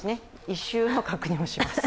異臭の確認もします。